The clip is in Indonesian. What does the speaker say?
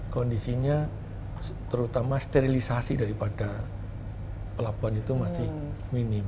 kondisinya terutama sterilisasi daripada pelabuhan itu masih minim